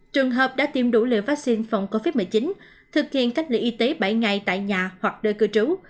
trường hợp đã tiêm đủ liều vaccine phòng covid một mươi chín thực hiện cách ly y tế bảy ngày tại nhà hoặc nơi cư trú